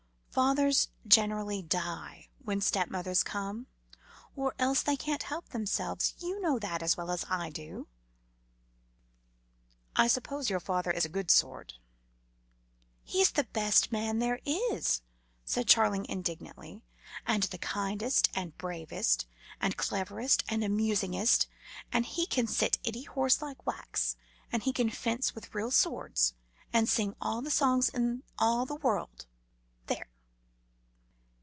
"Fathers generally die when the stepmother comes; or else they can't help themselves. You know that as well as I do." "I suppose your father is a good sort?" "He's the best man there is," said Charling indignantly, "and the kindest and bravest, and cleverest and amusingest, and he can sit any horse like wax; and he can fence with real swords, and sing all the songs in all the world. There!"